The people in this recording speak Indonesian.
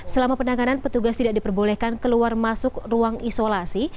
selama penanganan petugas tidak diperbolehkan keluar masuk ruang isolasi